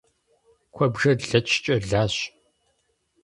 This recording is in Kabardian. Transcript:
Куэбжэр лэчкӏэ лащ.